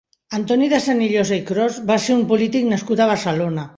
Antoni de Senillosa i Cros va ser un polític nascut a Barcelona.